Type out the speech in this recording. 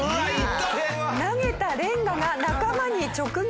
投げたレンガが仲間に直撃！